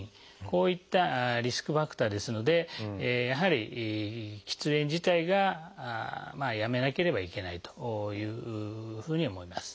こういったリスクファクターですのでやはり喫煙自体がやめなければいけないというふうに思います。